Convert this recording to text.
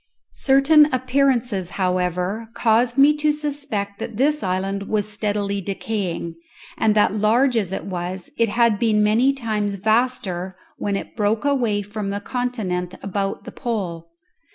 Certain appearances, however, caused me to suspect that this island was steadily decaying, and that, large as it still was, it had been many times vaster when it broke away from the continent about the Pole.